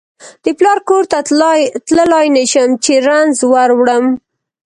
د پلار کور ته تللای نشم چې رنځ وروړم